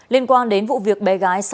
liên quan đến vụ việc bé gái